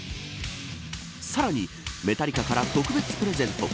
さらにメタリカから特別プレゼント。